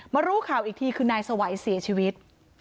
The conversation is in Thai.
รู้ข่าวอีกทีคือนายสวัยเสียชีวิต